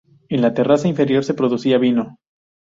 En la terraza inferior se producía vino.